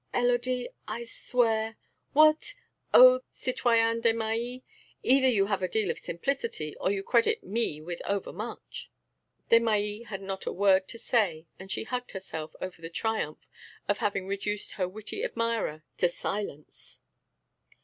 "Élodie, I swear...." "What! oaths, citoyen Desmahis? Either you have a deal of simplicity, or you credit me with overmuch." Desmahis had not a word to say, and she hugged herself over the triumph of having reduced her witty admirer to silence.